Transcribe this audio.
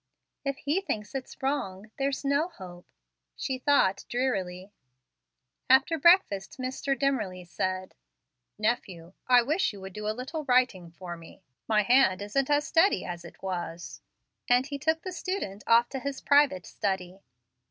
"If he thinks it's wrong, there's no hope," she thought, drearily. After breakfast Mr. Dimmerly said, "Nephew, I wish you would do a little writing for me; my hand isn't as steady as it was"; and he took the student off to his private study.